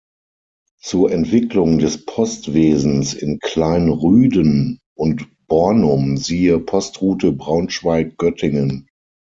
Zur Entwicklung des Postwesens in Klein-Rhüden und Bornum siehe: Postroute Braunschweig-Göttingen.